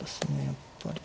やっぱり。